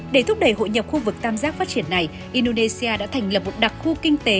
để thúc đẩy hội nhập khu vực tam giác phát triển này indonesia đã thành lập một đặc khu kinh tế